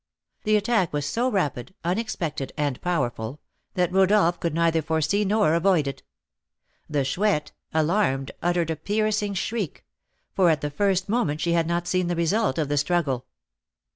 The attack was so rapid, unexpected, and powerful, that Rodolph could neither foresee nor avoid it. The Chouette, alarmed, uttered a piercing shriek; for at the first moment she had not seen the result of the struggle.